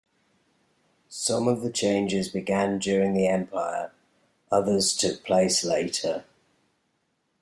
Some of the changes began during the Empire, others took place later.